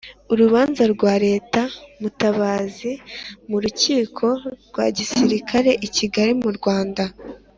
Urubanza rwa Lt Mutabazi m'urukiko rwa gisilikare i Kigali mu Rwanda.